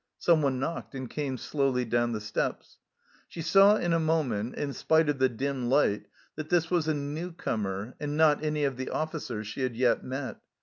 Someone knocked .and came slowly down the steps. She saw in a moment, in spite of the dim light, that this was a new comer, and not any of the officers she had yet met.